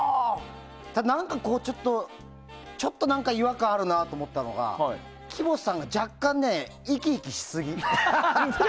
何か、ちょっと違和感あるなと思ったのが木本さんが若干生き生きしすぎ。